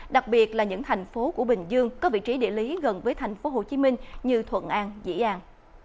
đặc biệt là những thành phố của bình dương có vị trí địa lý gần với thành phố hồ chí minh như thuận an dĩ an